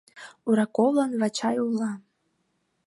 — Ураковлан Вачай ойла.